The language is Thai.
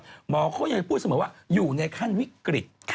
หมอเขายังพูดเสมอว่าอยู่ในขั้นวิกฤต